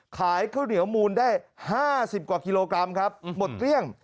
ขายข้าวเหนียวมูลได้ห้าสิบกว่าโคลกรัมครับอืมหมดเรี่ยง